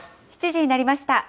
７時になりました。